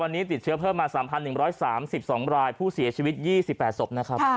วันนี้ติดเชื้อเพิ่มมา๓๑๓๒รายผู้เสียชีวิต๒๘ศพนะครับ